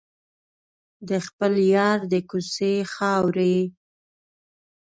د خپل یار د کوڅې خاورې.